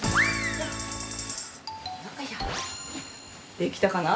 できたかな？